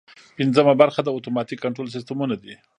پنځمه برخه د اتوماتیک کنټرول سیسټمونه دي.